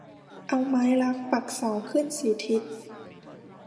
เอาไม้รักปักเสาขึ้นสี่ทิศ